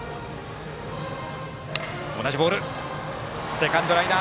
セカンドライナー。